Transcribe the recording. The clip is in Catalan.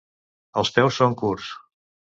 Els peus són curts.